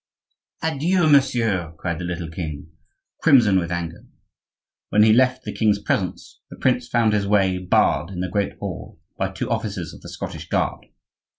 "Adieu, monsieur," cried the little king, crimson with anger. When he left the king's presence the prince found his way barred in the great hall by two officers of the Scottish guard.